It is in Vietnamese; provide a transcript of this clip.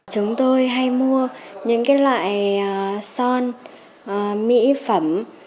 chúng tôi hay mua những loại son mỹ phẩm